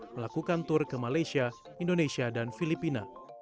melakukan tur ke malaysia indonesia dan filipina